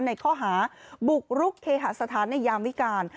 ในข้อหาบุกรุกเคหสถานในยามวิการ